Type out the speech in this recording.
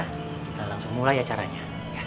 kita langsung mulai acaranya